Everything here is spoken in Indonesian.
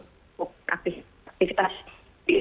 ini ada yang dikisar oleh